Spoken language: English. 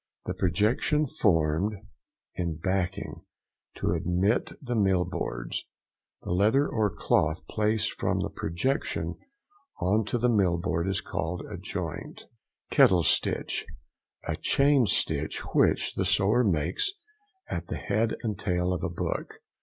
—The projection formed in backing to admit the mill boards. The leather or cloth placed from the projection on to the mill board is called a joint. KETTLE STITCH.—The chain stitch which the sewer makes at the head and tail of a book.